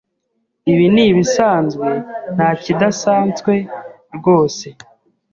Ibi nibisanzwe ntakidanswe rwose?